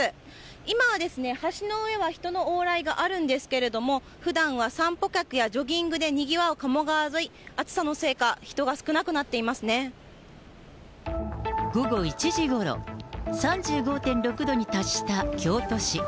今は橋の上は人の往来はあるんですけれども、ふだんは散歩客やジョギングでにぎわうかも川沿い、暑さのせいか、午後１時ごろ、３５．６度に達した京都市。